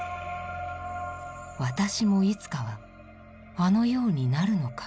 「私もいつかはあのようになるのか」。